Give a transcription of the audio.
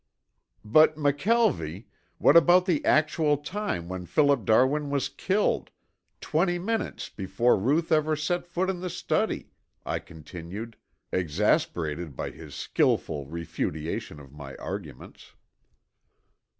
"But, McKelvie, what about the actual time when Philip Darwin was killed, twenty minutes before Ruth ever set foot in the study?" I continued, exasperated by his skillful refutation of my arguments.